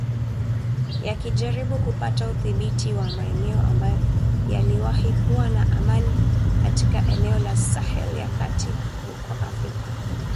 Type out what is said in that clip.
Yakijaribu kupata udhibiti wa maeneo ambayo yaliwahi kuwa na amani katika eneo la Sahel ya kati huko Afrika magharibi.